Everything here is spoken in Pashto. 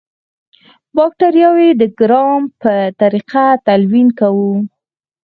باکټریاوې د ګرام په طریقه تلوین کوو.